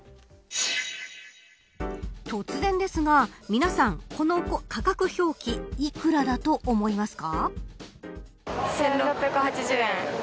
突然ですが、皆さんこの価格表記幾らだと思いますか。